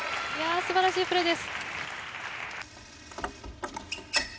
素晴らしいプレーです。